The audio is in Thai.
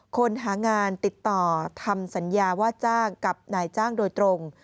คนหางานติดต่อทำสัญญาว่าจ้างกับนายจ้างโดยตรง